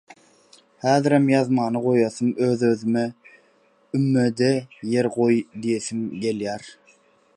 Häzirem ýazmany goýasym, öz-özüme «Üme-de ýer goý» diýesim gelýär.